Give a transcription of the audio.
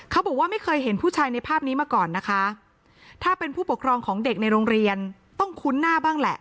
เขาบอกว่าไม่เคยเห็นผู้ชายในภาพนี้มาก่อนนะคะถ้าเป็นผู้ปกครองของเด็กในโรงเรียนต้องคุ้นหน้าบ้างแหละ